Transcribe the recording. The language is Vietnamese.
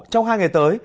trong hai ngày tới